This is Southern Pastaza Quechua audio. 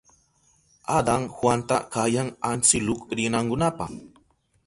Adan Juanta kayan antsiluk rinankunapa.